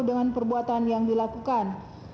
dengan perbuatan yang dilakukan